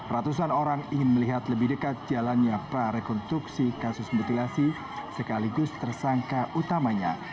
ratusan orang ingin melihat lebih dekat jalannya prarekonstruksi kasus mutilasi sekaligus tersangka utamanya